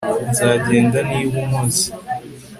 Nzagenda niba unkoze